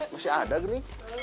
masih ada gini